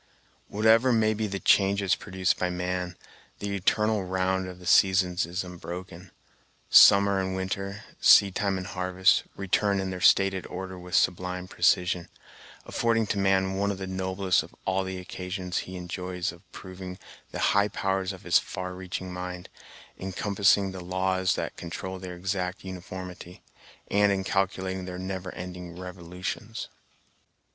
Whatever may be the changes produced by man, the eternal round of the seasons is unbroken. Summer and winter, seed time and harvest, return in their stated order with a sublime precision, affording to man one of the noblest of all the occasions he enjoys of proving the high powers of his far reaching mind, in compassing the laws that control their exact uniformity, and in calculating their never ending revolutions.